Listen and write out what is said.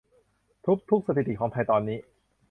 ทุบทุกสถิติของไทยตอนนี้